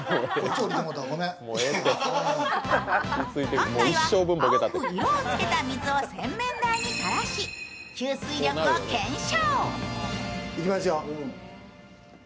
今回は青く色をつけた水を洗面台に垂らし吸水力を検証。